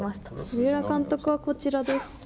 三浦監督はこちらです。